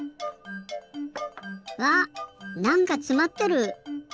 わっなんかつまってる！